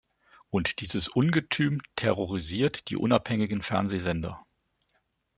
Und dieses "Ungetüm" terrorisiert die unabhängigen Fernsehsender.